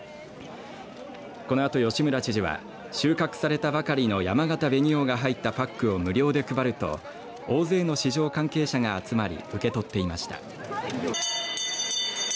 このあと、吉村知事は収穫されたばかりのやまがた紅王が入ったパックを無料で配ると、大勢の市場関係者が集まり受け取っていました。